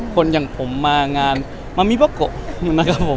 คนอย่างผมมางานมามีป๊ะโกะ